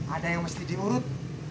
ada yang mesti dimurut